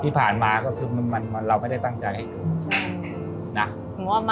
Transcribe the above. ที่ผ่านมาก็คือมันเราไม่ได้ตั้งใจให้เกิดนะ